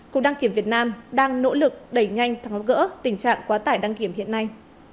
cục đăng kiểm việt nam đang nỗ lực đẩy nhanh thắng gỡ tình trạng quá tải đăng kiểm hiện nay